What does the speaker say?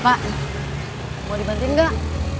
pak mau dibantuin gak